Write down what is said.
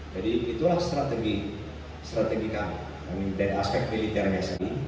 jadi itulah strategi kami dan aspek militernya sendiri